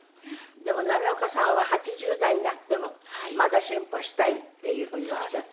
でも奈良岡さんは８０代になってもまだ進歩したいっていう風におっしゃってた。